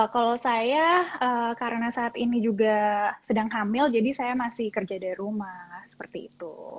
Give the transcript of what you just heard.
kalau saya karena saat ini juga sedang hamil jadi saya masih kerja dari rumah seperti itu